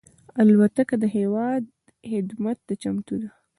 الوتکه د هېواد خدمت ته چمتو ده.